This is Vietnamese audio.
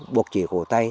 buộc chỉ cầu tay